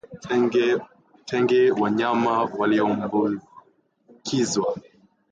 Tenga wanyama walioambukizwa